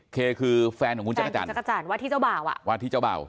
เคคือแฟนของคุณจักรจันวัตถีเจ้าบาวอ่ะวัตถีเจ้าบาว